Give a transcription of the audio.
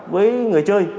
với người chơi